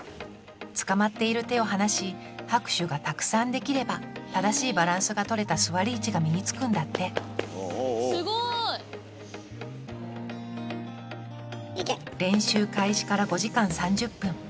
つかまっている手を離し拍手がたくさんできれば正しいバランスが取れた座り位置が身につくんだって練習開始から５時間３０分。